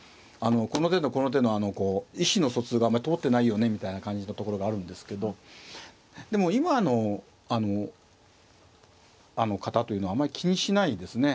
この手とこの手のこう意思の疎通があんまり通ってないよねみたいな感じのところがあるんですけどでも今の方というのはあんまり気にしないですね。